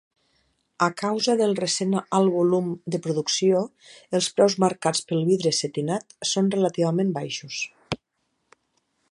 A causa del recent alt volum de producció, els preus marcats pel vidre setinat són relativament baixos.